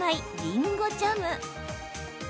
りんごジャム。